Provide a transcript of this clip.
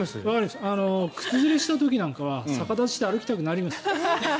靴ずれした時なんかは逆立ちして歩きたくなります。